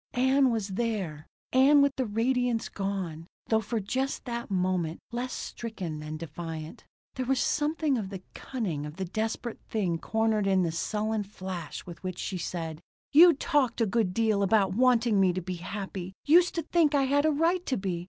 Ann was there. Ann with the radiance gone; though, for just that moment, less stricken than defiant. There was something of the cunning of the desperate thing cornered in the sullen flash with which she said: "You talked a good deal about wanting me to be happy. Used to think I had a right to be.